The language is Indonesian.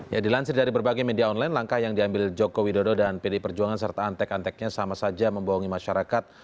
ya dilansir dari berbagai media online langkah yang diambil joko widodo dan pd perjuangan serta antek anteknya sama saja membohongi masyarakat